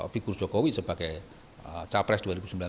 figur jokowi sebagai capres dua ribu sembilan belas